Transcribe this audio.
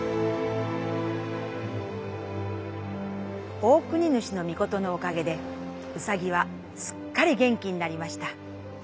オオクニヌシノミコトのおかげでうさぎはすっかり元気になりました。